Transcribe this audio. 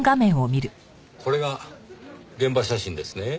これが現場写真ですね？